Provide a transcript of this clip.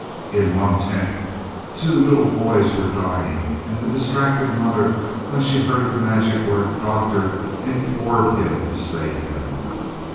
In one tent two little boys were dying, and the distracted mother, when she heard the magic word "doctor," implored him to save them.